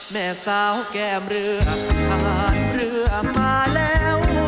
แม่สาวแก้มเรือผ่านเรือมาแล้ว